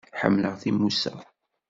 Ḥemmleɣ timusa.